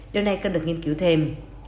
điều này cần được nghiên cứu thêm